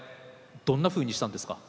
どんなふうにしたんですか？